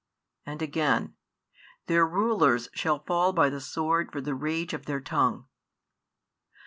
And again: Their rulers shall fall by the sword for the rage of their tongue.